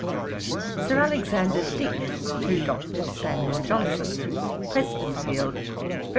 'SIR ALEXANDER DICK TO DR. SAMUEL JOHNSON. 'Prestonfield, Feb.